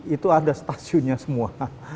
itu ada stasiunnya semua